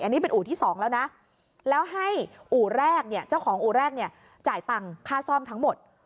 อันนี้เป็นอู่ที่๒แล้วนะแล้วให้อู่แรกเนี่ยเจ้าของอู่แรกเนี่ยจ่ายตังค่าซ่อมทั้งหมด